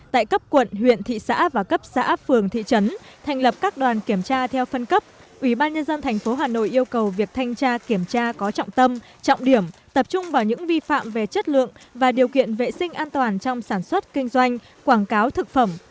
tại cấp quận huyện thị xã và cấp xã phường thị trấn thành lập các đoàn kiểm tra theo phân cấp ủy ban nhân dân tp hà nội yêu cầu việc thanh tra kiểm tra có trọng tâm trọng điểm tập trung vào những vi phạm về chất lượng và điều kiện vệ sinh an toàn trong sản xuất kinh doanh quảng cáo thực phẩm